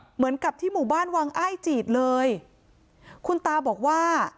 เหมือนกับที่หมู่บ้านวังอ้ายจีดเลยคุณตาบอกว่า